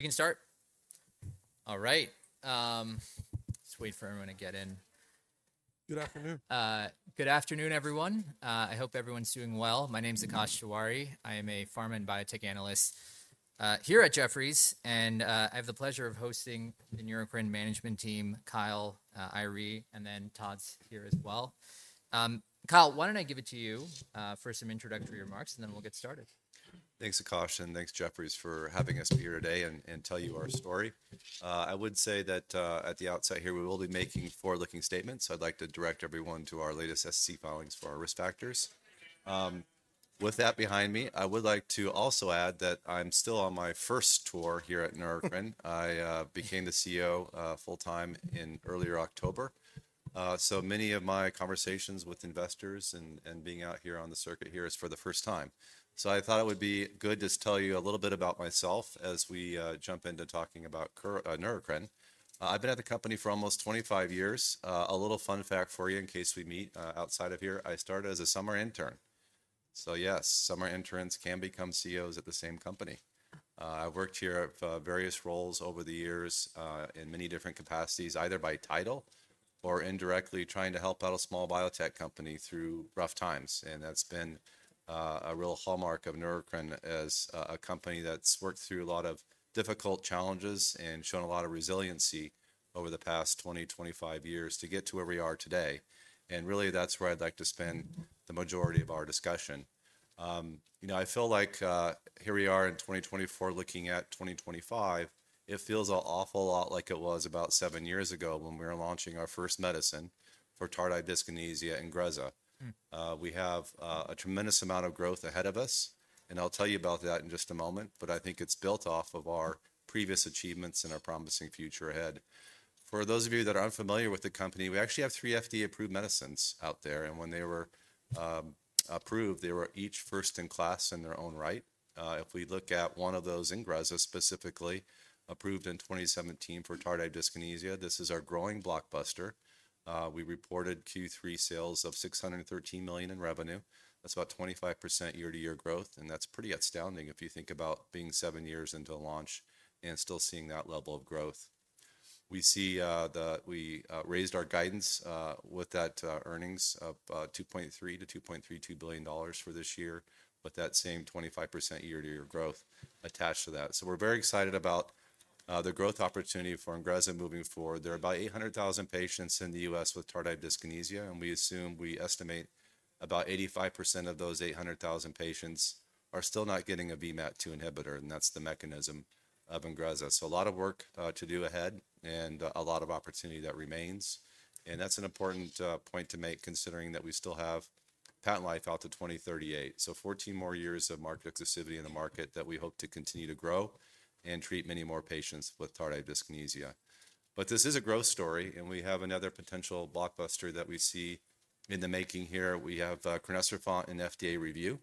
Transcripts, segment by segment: We can start? All right. Just wait for everyone to get in. Good afternoon. Good afternoon, everyone. I hope everyone's doing well. My name's Akash Tewari. I am a pharma and biotech analyst here at Jefferies, and I have the pleasure of hosting the Neurocrine management team, Kyle, Eiry, and then Todd's here as well. Kyle, why don't I give it to you for some introductory remarks, and then we'll get started. Thanks, Akash, and thanks, Jefferies, for having us here today and tell you our story. I would say that at the outset here, we will be making forward-looking statements. I'd like to direct everyone to our latest SEC filings for our risk factors. With that behind me, I would like to also add that I'm still on my first tour here at Neurocrine. I became the CEO full-time in early October, so many of my conversations with investors and being out here on the circuit here is for the first time. So I thought it would be good to tell you a little bit about myself as we jump into talking about Neurocrine. I've been at the company for almost 25 years. A little fun fact for you in case we meet outside of here: I started as a summer intern. So yes, summer interns can become CEOs at the same company. I've worked here in various roles over the years in many different capacities, either by title or indirectly trying to help out a small biotech company through rough times. And that's been a real hallmark of Neurocrine as a company that's worked through a lot of difficult challenges and shown a lot of resiliency over the past 20, 25 years to get to where we are today. And really, that's where I'd like to spend the majority of our discussion. You know, I feel like here we are in 2024, looking at 2025. It feels an awful lot like it was about seven years ago when we were launching our first medicine for tardive dyskinesia in Ingrezza. We have a tremendous amount of growth ahead of us, and I'll tell you about that in just a moment, but I think it's built off of our previous achievements and our promising future ahead. For those of you that are unfamiliar with the company, we actually have three FDA-approved medicines out there, and when they were approved, they were each first in class in their own right. If we look at one of those, Ingrezza, specifically approved in 2017 for tardive dyskinesia, this is our growing blockbuster. We reported Q3 sales of $613 million in revenue. That's about 25% year-to-year growth, and that's pretty astounding if you think about being seven years into launch and still seeing that level of growth. We raised our guidance with that earnings of $2.3 billion-$2.32 billion for this year, with that same 25% year-to-year growth attached to that. We're very excited about the growth opportunity for Ingrezza moving forward. There are about 800,000 patients in the U.S. with tardive dyskinesia, and we assume we estimate about 85% of those 800,000 patients are still not getting a VMAT2 inhibitor, and that's the mechanism of Ingrezza. A lot of work to do ahead and a lot of opportunity that remains. That's an important point to make considering that we still have patent life out to 2038. Fourteen more years of market exclusivity in the market that we hope to continue to grow and treat many more patients with tardive dyskinesia. This is a growth story, and we have another potential blockbuster that we see in the making here. We have crinecerfont in FDA review.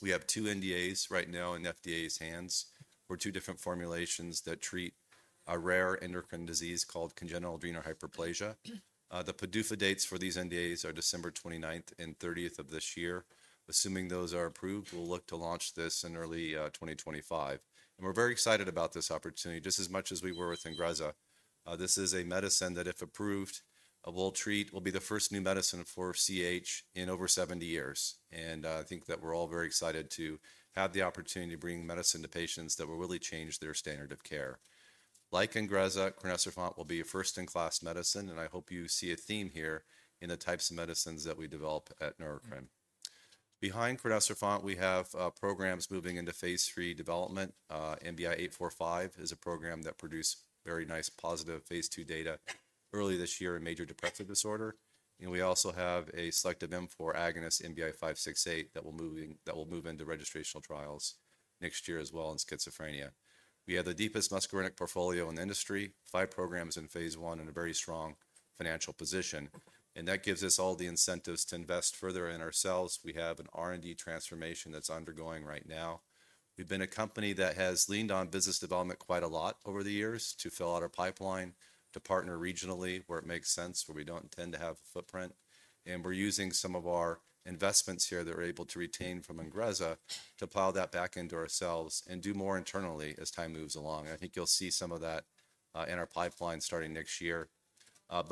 We have two NDAs right now in FDA's hands for two different formulations that treat a rare endocrine disease called congenital adrenal hyperplasia. The PDUFA dates for these NDAs are December 29th and 30th of this year. Assuming those are approved, we'll look to launch this in early 2025, and we're very excited about this opportunity just as much as we were with Ingrezza. This is a medicine that, if approved, will be the first new medicine for CAH in over 70 years, and I think that we're all very excited to have the opportunity to bring medicine to patients that will really change their standard of care. Like Ingrezza, crinecerfont will be a first-in-class medicine, and I hope you see a theme here in the types of medicines that we develop at Neurocrine. Behind crinecerfont, we have programs moving into phase III development. NBI-845 is a program that produced very nice positive phase II data early this year in major depressive disorder. And we also have a selective M4 agonist, NBI-568, that will move into registrational trials next year as well in schizophrenia. We have the deepest muscarinic portfolio in the industry, five programs in phase I, and a very strong financial position. And that gives us all the incentives to invest further in ourselves. We have an R&D transformation that's undergoing right now. We've been a company that has leaned on business development quite a lot over the years to fill out our pipeline, to partner regionally where it makes sense, where we don't intend to have a footprint. And we're using some of our investments here that we're able to retain from Ingrezza to plow that back into ourselves and do more internally as time moves along. I think you'll see some of that in our pipeline starting next year.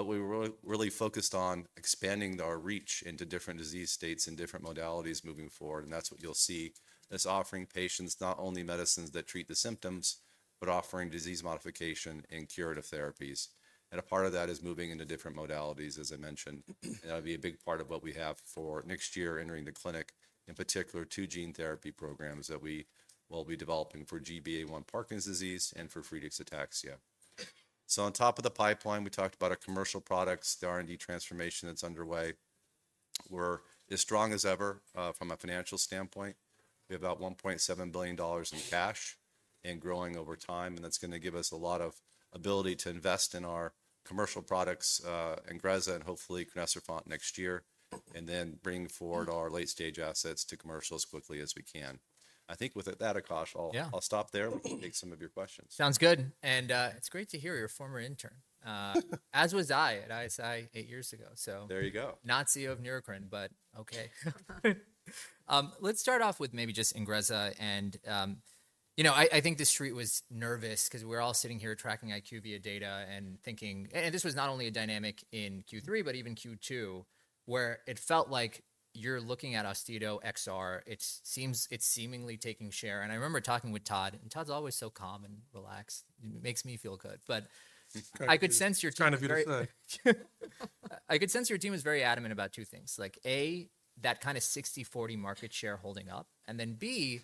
We were really focused on expanding our reach into different disease states and different modalities moving forward, and that's what you'll see. That's offering patients not only medicines that treat the symptoms, but offering disease modification and curative therapies. A part of that is moving into different modalities, as I mentioned. That'll be a big part of what we have for next year entering the clinic, in particular two gene therapy programs that we will be developing for GBA1 Parkinson's disease and for Friedreich's ataxia. On top of the pipeline, we talked about our commercial products, the R&D transformation that's underway. We're as strong as ever from a financial standpoint. We have about $1.7 billion in cash and growing over time, and that's going to give us a lot of ability to invest in our commercial products, Ingrezza and hopefully crinecerfont next year, and then bring forward our late-stage assets to commercial as quickly as we can. I think with that, Akash, I'll stop there. We can take some of your questions. Sounds good, and it's great to hear you're a former intern. As was I at ISI eight years ago, so. There you go. Not the CEO of Neurocrine, but okay. Let's start off with maybe just Ingrezza. And you know, I think the street was nervous because we were all sitting here tracking IQVIA data and thinking, and this was not only a dynamic in Q3, but even Q2, where it felt like you're looking at Austedo XR. It seems it's seemingly taking share. And I remember talking with Todd, and Todd's always so calm and relaxed. It makes me feel good. But I could sense your team. Kind of your thing. I could sense your team is very adamant about two things. Like A, that kind of 60/40 market share holding up, and then B,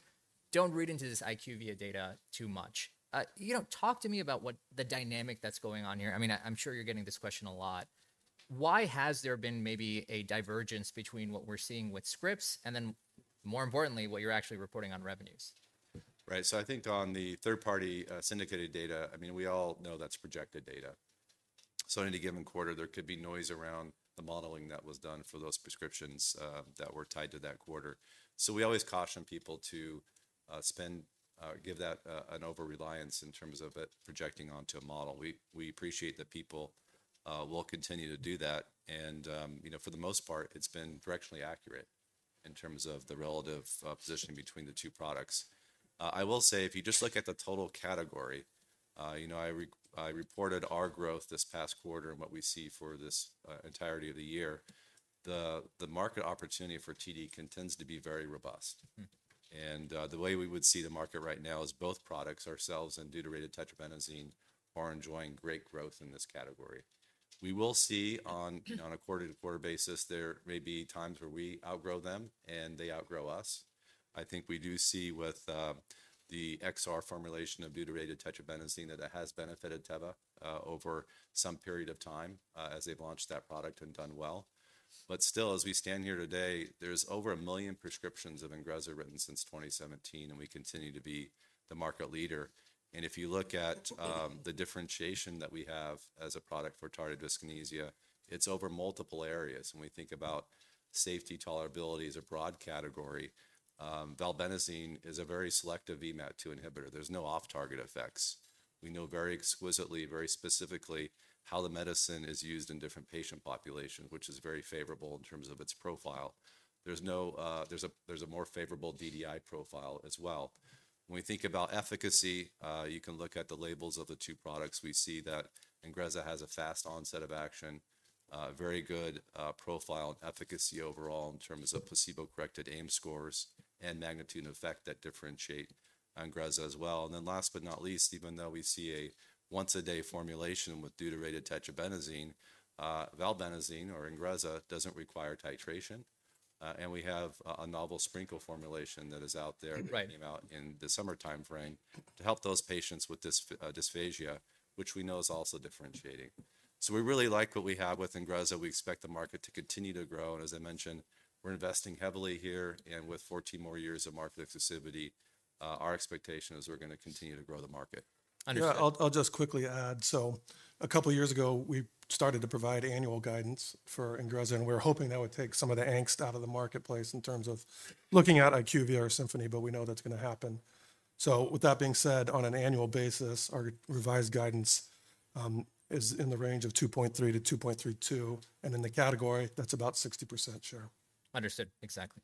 don't read into this IQVIA data too much. You know, talk to me about what the dynamic that's going on here. I mean, I'm sure you're getting this question a lot. Why has there been maybe a divergence between what we're seeing with scripts and then, more importantly, what you're actually reporting on revenues? Right, so I think on the third-party syndicated data, I mean, we all know that's projected data. So in any given quarter, there could be noise around the modeling that was done for those prescriptions that were tied to that quarter. So we always caution people not to place an over-reliance in terms of it projecting onto a model. We appreciate that people will continue to do that, and you know, for the most part, it's been directionally accurate in terms of the relative positioning between the two products. I will say, if you just look at the total category, you know, I reported our growth this past quarter and what we see for this entirety of the year. The market opportunity for TD continues to be very robust. And the way we would see the market right now is both products, ourselves and deuterated tetrabenazine, are enjoying great growth in this category. We will see on a quarter-to-quarter basis, there may be times where we outgrow them and they outgrow us. I think we do see with the XR formulation of deuterated tetrabenazine that it has benefited Teva over some period of time as they've launched that product and done well. But still, as we stand here today, there's over a million prescriptions of Ingrezza written since 2017, and we continue to be the market leader. And if you look at the differentiation that we have as a product for tardive dyskinesia, it's over multiple areas. When we think about safety tolerability as a broad category, valbenazine is a very selective VMAT2 inhibitor. There's no off-target effects. We know very exquisitely, very specifically how the medicine is used in different patient populations, which is very favorable in terms of its profile. There's a more favorable DDI profile as well. When we think about efficacy, you can look at the labels of the two products. We see that Ingrezza has a fast onset of action, very good profile and efficacy overall in terms of placebo-corrected AIMS scores and magnitude and effect that differentiate Ingrezza as well, and then last but not least, even though we see a once-a-day formulation with deuterated tetrabenazine, valbenazine or Ingrezza doesn't require titration. And we have a novel sprinkle formulation that is out there that came out in the summer timeframe to help those patients with dysphagia, which we know is also differentiating, so we really like what we have with Ingrezza. We expect the market to continue to grow. As I mentioned, we're investing heavily here, and with 14 more years of market exclusivity, our expectation is we're going to continue to grow the market. Understood. I'll just quickly add. So a couple of years ago, we started to provide annual guidance for Ingrezza, and we were hoping that would take some of the angst out of the marketplace in terms of looking at IQVIA or Symphony, but we know that's going to happen. So with that being said, on an annual basis, our revised guidance is in the range of $2.3 billion-$2.32 billion. And in the category, that's about 60% share. Understood. Exactly.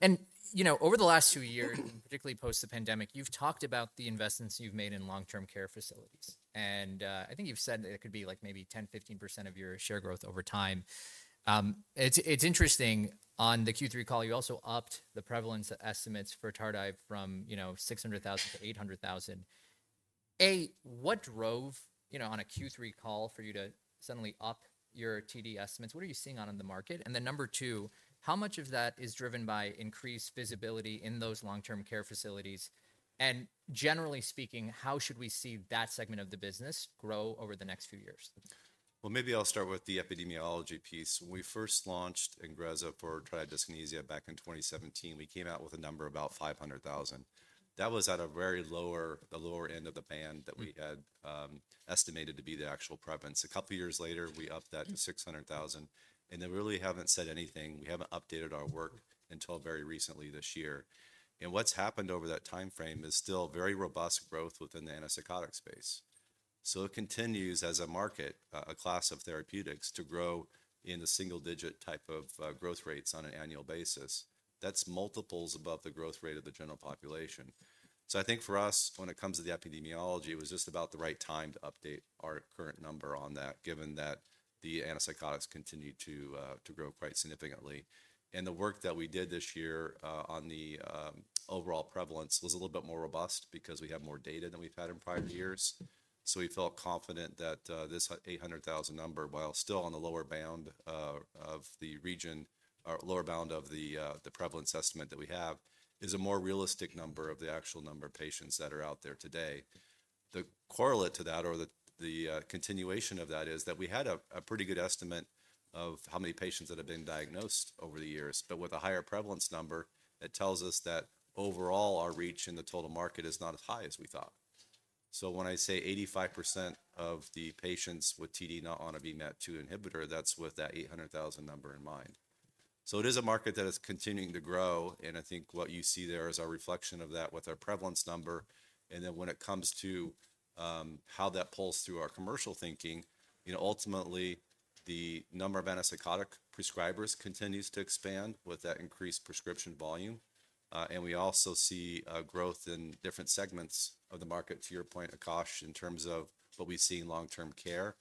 And you know, over the last two years, particularly post the pandemic, you've talked about the investments you've made in long-term care facilities. And I think you've said that it could be like maybe 10%-15% of your share growth over time. It's interesting. On the Q3 call, you also upped the prevalence estimates for tardive from, you know, 600,000 to 800,000. A, what drove, you know, on a Q3 call for you to suddenly up your TD estimates? What are you seeing on the market? And then number two, how much of that is driven by increased visibility in those long-term care facilities? And generally speaking, how should we see that segment of the business grow over the next few years? Maybe I'll start with the epidemiology piece. When we first launched Ingrezza for tardive dyskinesia back in 2017, we came out with a number of about 500,000. That was at a very low, the lower end of the band that we had estimated to be the actual prevalence. A couple of years later, we upped that to 600,000. And they really haven't said anything. We haven't updated our work until very recently this year. And what's happened over that timeframe is still very robust growth within the antipsychotic space. So it continues as a market, a class of therapeutics to grow in the single-digit type of growth rates on an annual basis. That's multiples above the growth rate of the general population. So I think for us, when it comes to the epidemiology, it was just about the right time to update our current number on that, given that the antipsychotics continue to grow quite significantly. And the work that we did this year on the overall prevalence was a little bit more robust because we have more data than we've had in prior years. So we felt confident that this 800,000 number, while still on the lower bound of the region, or lower bound of the prevalence estimate that we have, is a more realistic number of the actual number of patients that are out there today. The correlate to that, or the continuation of that, is that we had a pretty good estimate of how many patients that have been diagnosed over the years, but with a higher prevalence number, it tells us that overall our reach in the total market is not as high as we thought. So when I say 85% of the patients with TD not on a VMAT2 inhibitor, that's with that 800,000 number in mind. So it is a market that is continuing to grow. And I think what you see there is our reflection of that with our prevalence number. And then when it comes to how that pulls through our commercial thinking, you know, ultimately, the number of antipsychotic prescribers continues to expand with that increased prescription volume. We also see growth in different segments of the market, to your point, Akash, in terms of what we see in long-term care.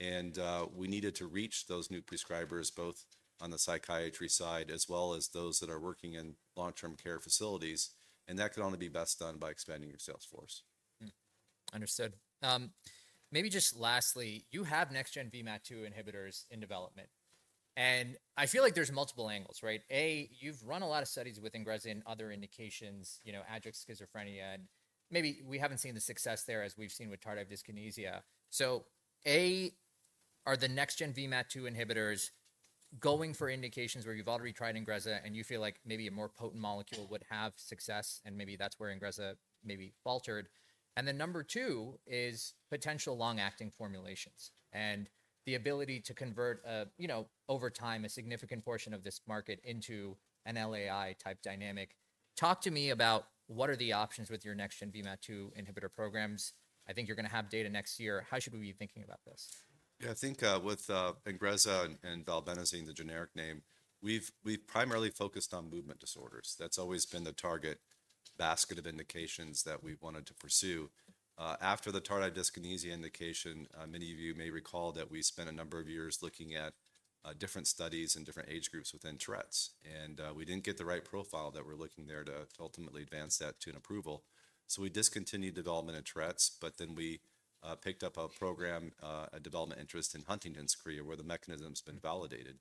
We needed to reach those new prescribers both on the psychiatry side as well as those that are working in long-term care facilities. That can only be best done by expanding your sales force. Understood. Maybe just lastly, you have next-gen VMAT2 inhibitors in development. And I feel like there's multiple angles, right? A, you've run a lot of studies with Ingrezza in other indications, you know, adjunctive schizophrenia. And maybe we haven't seen the success there as we've seen with tardive dyskinesia. So A, are the next-gen VMAT2 inhibitors going for indications where you've already tried Ingrezza and you feel like maybe a more potent molecule would have success, and maybe that's where Ingrezza maybe faltered? And then number two is potential long-acting formulations and the ability to convert, you know, over time a significant portion of this market into an LAI-type dynamic. Talk to me about what are the options with your next-gen VMAT2 inhibitor programs. I think you're going to have data next year. How should we be thinking about this? Yeah, I think with Ingrezza and valbenazine, the generic name, we've primarily focused on movement disorders. That's always been the target basket of indications that we wanted to pursue. After the tardive dyskinesia indication, many of you may recall that we spent a number of years looking at different studies and different age groups within Tourette's. And we didn't get the right profile that we're looking there to ultimately advance that to an approval. So we discontinued development in Tourette's, but then we picked up a program, a development interest in Huntington's chorea, where the mechanism has been validated.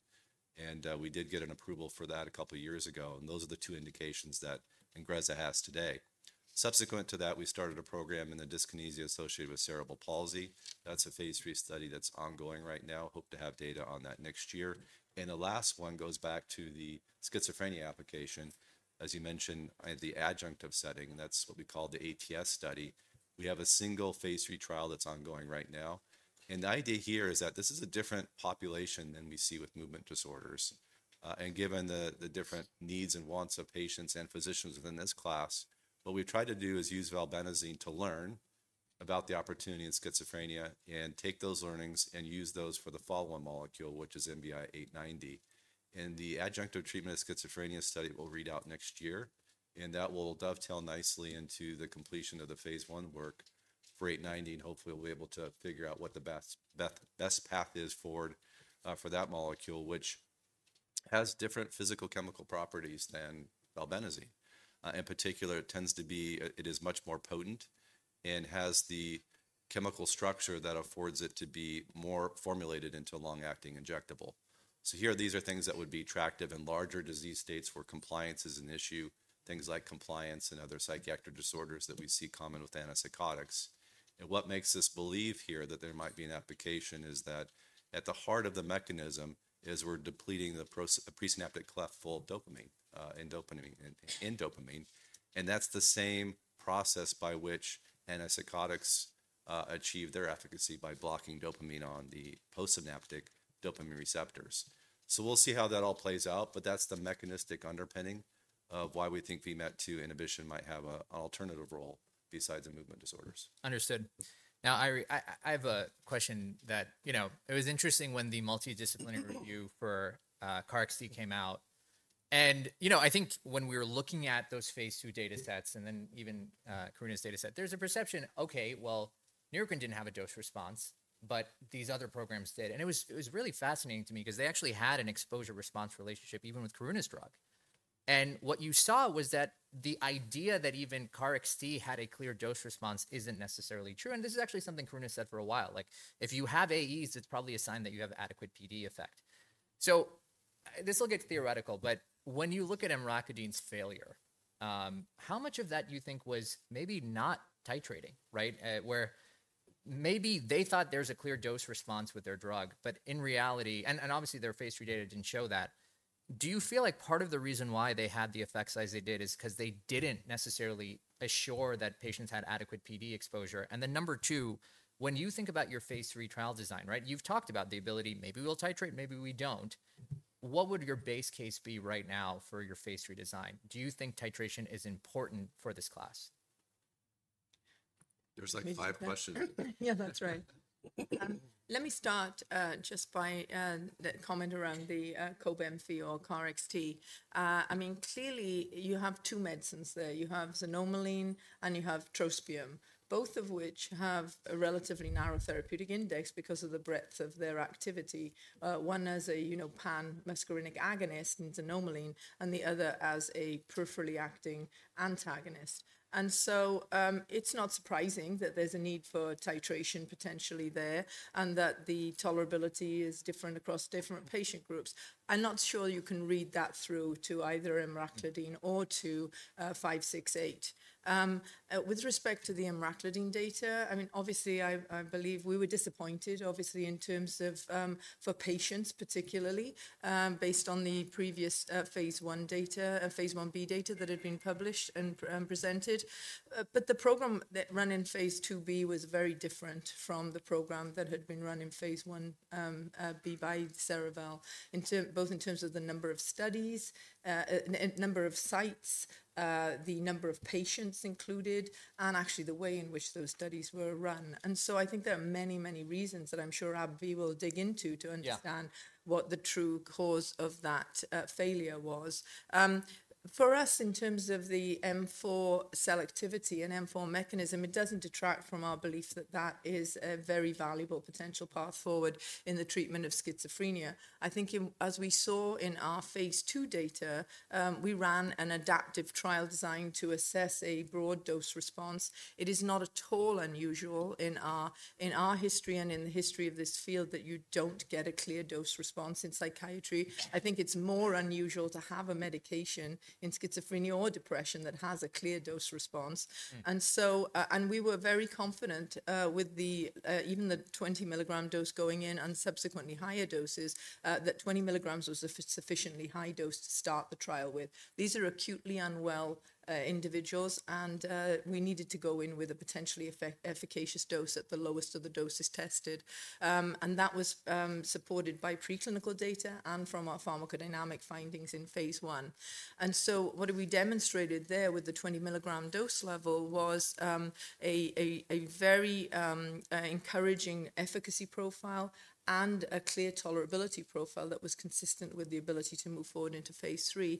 And we did get an approval for that a couple of years ago. And those are the two indications that Ingrezza has today. Subsequent to that, we started a program in the dyskinesia associated with cerebral palsy. That's a phase III study that's ongoing right now. Hope to have data on that next year. The last one goes back to the schizophrenia application. As you mentioned, the adjunctive setting, that's what we call the ATS study. We have a single phase III trial that's ongoing right now. The idea here is that this is a different population than we see with movement disorders. Given the different needs and wants of patients and physicians within this class, what we've tried to do is use valbenazine to learn about the opportunity in schizophrenia and take those learnings and use those for the follow-on molecule, which is NBI-890. The adjunctive treatment of schizophrenia study will read out next year. That will dovetail nicely into the completion of the phase I work for 890. And hopefully, we'll be able to figure out what the best path is forward for that molecule, which has different physicochemical properties than valbenazine. In particular, it is much more potent and has the chemical structure that affords it to be more formulated into long-acting injectable. So here, these are things that would be attractive in larger disease states where compliance is an issue, things like compliance and other psychiatric disorders that we see common with antipsychotics. And what makes us believe here that there might be an application is that at the heart of the mechanism is we're depleting the presynaptic cleft full of dopamine. And that's the same process by which antipsychotics achieve their efficacy by blocking dopamine on the postsynaptic dopamine receptors. So we'll see how that all plays out, but that's the mechanistic underpinning of why we think VMAT2 inhibition might have an alternative role besides the movement disorders. Understood. Now, I have a question that, you know, it was interesting when the multidisciplinary review for KarXT came out. And you know, I think when we were looking at those phase II data sets and then even Karuna's data set, there's a perception, okay, well, Neurocrine didn't have a dose response, but these other programs did. And it was really fascinating to me because they actually had an exposure-response relationship even with Karuna's drug. And what you saw was that the idea that even KarXT had a clear dose response isn't necessarily true. And this is actually something Karuna said for a while. Like if you have AEs, it's probably a sign that you have adequate PD effect. So this will get theoretical, but when you look at emraclidine's failure, how much of that do you think was maybe not titrating, right? Where maybe they thought there's a clear dose response with their drug, but in reality, and obviously their phase III data didn't show that. Do you feel like part of the reason why they had the effects as they did is because they didn't necessarily assure that patients had adequate PD exposure? And then number two, when you think about your phase III trial design, right? You've talked about the ability, maybe we'll titrate, maybe we don't. What would your base case be right now for your phase III design? Do you think titration is important for this class? There's like five questions. Yeah, that's right. Let me start just by the comment around the Cobenfy or KarXT. I mean, clearly you have two medicines there. You have xanomeline and you have trospium, both of which have a relatively narrow therapeutic index because of the breadth of their activity. One as a, you know, pan-muscarinic agonist in xanomeline and the other as a peripherally acting antagonist. And so it's not surprising that there's a need for titration potentially there and that the tolerability is different across different patient groups. I'm not sure you can read that through to either emraclidine or to 568. With respect to the emraclidine data, I mean, obviously I believe we were disappointed, obviously in terms of for patients particularly, based on the previous phase I data, phase I-B data that had been published and presented. The program that ran in phase II-B was very different from the program that had been run in phase 1-B by Cerevel, both in terms of the number of studies, number of sites, the number of patients included, and actually the way in which those studies were run. And so I think there are many, many reasons that I'm sure AbbVie will dig into to understand what the true cause of that failure was. For us, in terms of the M4 selectivity and M4 mechanism, it doesn't detract from our belief that that is a very valuable potential path forward in the treatment of schizophrenia. I think as we saw in our phase II data, we ran an adaptive trial design to assess a broad dose response. It is not at all unusual in our history and in the history of this field that you don't get a clear dose response in psychiatry. I think it's more unusual to have a medication in schizophrenia or depression that has a clear dose response. And so we were very confident with even the 20 mg dose going in and subsequently higher doses that 20 mg was a sufficiently high dose to start the trial with. These are acutely unwell individuals, and we needed to go in with a potentially efficacious dose at the lowest of the doses tested. That was supported by preclinical data and from our pharmacodynamic findings in phase I. And so what we demonstrated there with the 20 mg dose level was a very encouraging efficacy profile and a clear tolerability profile that was consistent with the ability to move forward into phase III.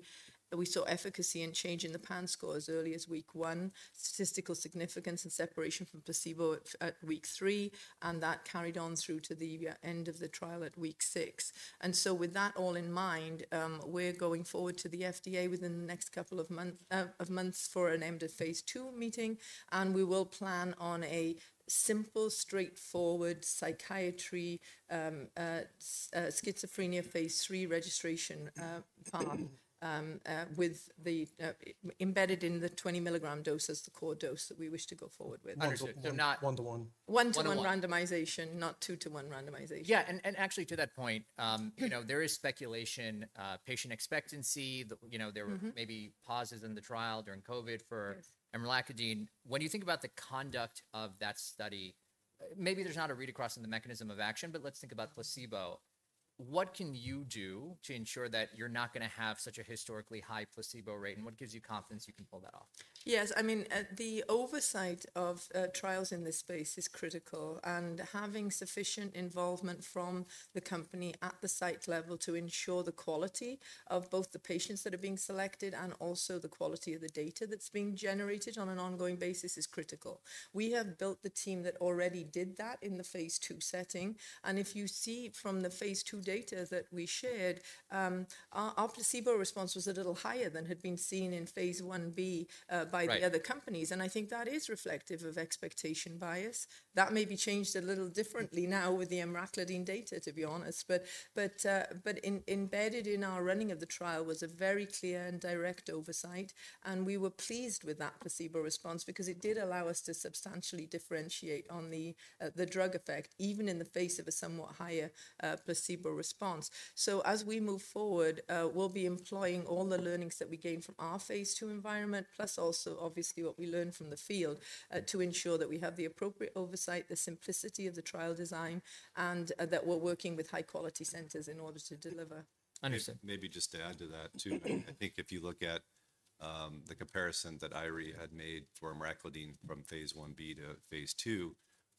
We saw efficacy and change in the PANSS scores as early as week one, statistical significance and separation from placebo at week three, and that carried on through to the end of the trial at week six. And so with that all in mind, we're going forward to the FDA within the next couple of months for an end of phase II meeting, and we will plan on a simple, straightforward psychiatry schizophrenia phase III registration path with the embedded in the 20 mg dose as the core dose that we wish to go forward with. I'm sorry, one to one. One to one randomization, not two to one randomization. Yeah, and actually to that point, you know, there is speculation, patient expectancy, you know, there were maybe pauses in the trial during COVID for emraclidine. When you think about the conduct of that study, maybe there's not a read across in the mechanism of action, but let's think about placebo. What can you do to ensure that you're not going to have such a historically high placebo rate? And what gives you confidence you can pull that off? Yes, I mean, the oversight of trials in this space is critical, and having sufficient involvement from the company at the site level to ensure the quality of both the patients that are being selected and also the quality of the data that's being generated on an ongoing basis is critical. We have built the team that already did that in the phase II setting. And if you see from the phase II data that we shared, our placebo response was a little higher than had been seen in phase I-B by the other companies. And I think that is reflective of expectation bias. That may be changed a little differently now with the emraclidine data, to be honest. But embedded in our running of the trial was a very clear and direct oversight. And we were pleased with that placebo response because it did allow us to substantially differentiate on the drug effect, even in the face of a somewhat higher placebo response. So as we move forward, we'll be employing all the learnings that we gain from our phase II environment, plus also obviously what we learned from the field to ensure that we have the appropriate oversight, the simplicity of the trial design, and that we're working with high-quality centers in order to deliver. Understood. Maybe just to add to that too, I think if you look at the comparison that Eiry had made for emraclidine from phase I-B to phase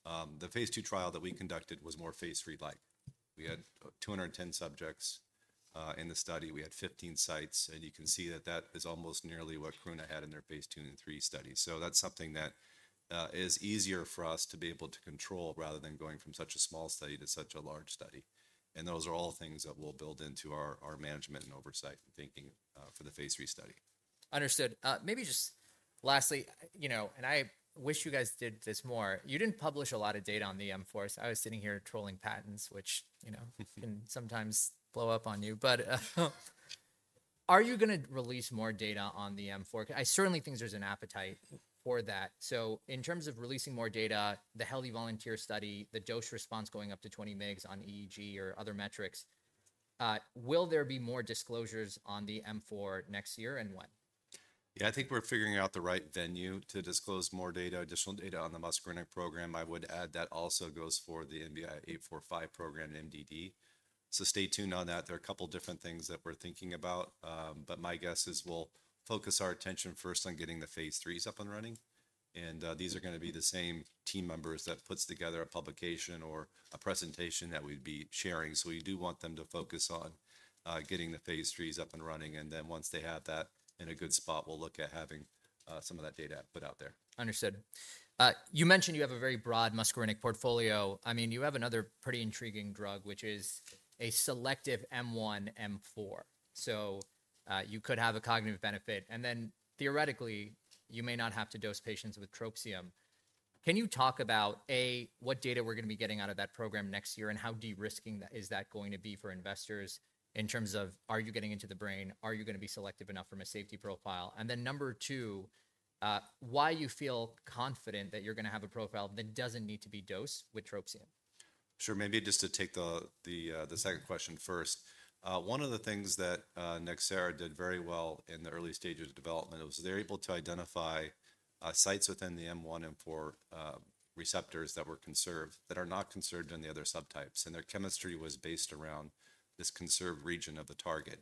I, the phase II trial that we conducted was more phase III-like. We had 210 subjects in the study. We had 15 sites. And you can see that that is almost nearly what Karuna had in their phase II and III studies. So that's something that is easier for us to be able to control rather than going from such a small study to such a large study. And those are all things that will build into our management and oversight thinking for the phase III study. Understood. Maybe just lastly, you know, and I wish you guys did this more. You didn't publish a lot of data on the M4s. I was sitting here trolling patents, which, you know, can sometimes blow up on you. But are you going to release more data on the M4? I certainly think there's an appetite for that. So in terms of releasing more data, the Healthy Volunteer study, the dose response going up to 20 mgs on EEG or other metrics, will there be more disclosures on the M4 next year and when? Yeah, I think we're figuring out the right venue to disclose more data, additional data on the muscarinic program. I would add that also goes for the NBI-845 program and MDD. So stay tuned on that. There are a couple of different things that we're thinking about. But my guess is we'll focus our attention first on getting the phase IIIs up and running. And these are going to be the same team members that put together a publication or a presentation that we'd be sharing. So we do want them to focus on getting the phase IIIs up and running. And then once they have that in a good spot, we'll look at having some of that data put out there. Understood. You mentioned you have a very broad muscarinic portfolio. I mean, you have another pretty intriguing drug, which is a selective M1, M4. So you could have a cognitive benefit. And then theoretically, you may not have to dose patients with trospium. Can you talk about, A, what data we're going to be getting out of that program next year and how de-risking is that going to be for investors in terms of, are you getting into the brain? Are you going to be selective enough from a safety profile? And then number two, why you feel confident that you're going to have a profile that doesn't need to be dosed with trospium? Sure. Maybe just to take the second question first. One of the things that Nxera did very well in the early stages of development was they were able to identify sites within the M1, M4 receptors that were conserved that are not conserved in the other subtypes, and their chemistry was based around this conserved region of the target,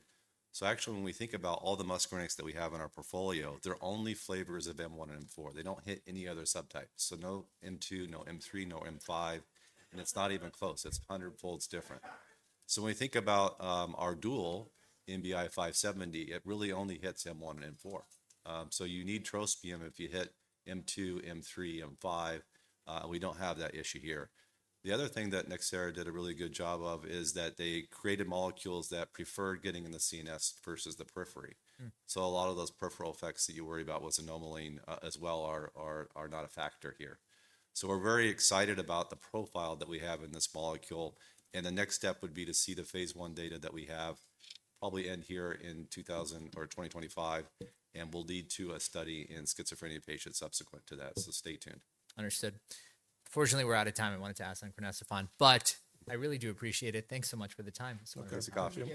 so actually, when we think about all the muscarinics that we have in our portfolio, they're only flavors of M1 and M4. They don't hit any other subtypes. So no M2, no M3, no M5. And it's not even close. It's 100-fold different. So when we think about our dual NBI-570, it really only hits M1 and M4. So you need trospium if you hit M2, M3, M5. We don't have that issue here. The other thing that Nxera did a really good job of is that they created molecules that preferred getting in the CNS versus the periphery. So a lot of those peripheral effects that you worry about with xanomeline as well are not a factor here. So we're very excited about the profile that we have in this molecule. The next step would be to see the phase I data that we have probably end here in 2024 or 2025. We'll lead to a study in schizophrenia patients subsequent to that. So stay tuned. Understood. Fortunately, we're out of time. I wanted to ask on crinecerfont, but I really do appreciate it. Thanks so much for the time. Okay, it's a coffee.